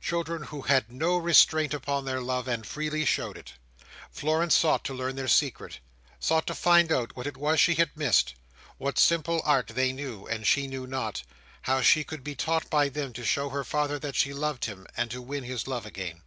Children who had no restraint upon their love, and freely showed it. Florence sought to learn their secret; sought to find out what it was she had missed; what simple art they knew, and she knew not; how she could be taught by them to show her father that she loved him, and to win his love again.